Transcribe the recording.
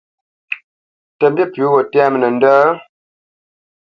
Tə mbî pʉ̌ gho tɛ́mə nəndət?